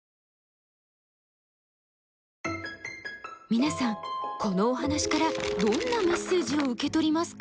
皆さんこのお話からどんなメッセージを受け取りますか？